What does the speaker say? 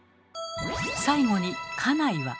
最後に「家内」は。